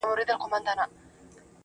زړۀ خو لا پۀ خپل ځاے غرقاب پاتې دی